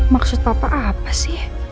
maksud papa apa sih